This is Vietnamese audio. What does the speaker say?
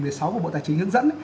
của bộ tài chính hướng dẫn